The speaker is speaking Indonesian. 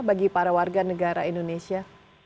bagi para warga negara indonesia